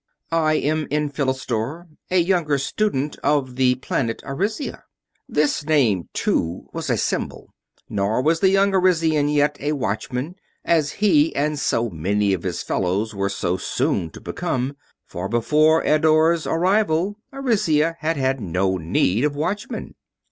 "I am Enphilistor, a younger student, of the planet Arisia." This name, too, was a symbol. Nor was the young Arisian yet a Watchman, as he and so many of his fellows were so soon to become, for before Eddore's arrival Arisia had had no need of Watchmen.